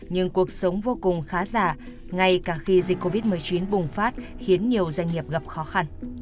nhưng cuộc sống vô cùng khá giả ngay cả khi dịch covid một mươi chín bùng phát khiến nhiều doanh nghiệp gặp khó khăn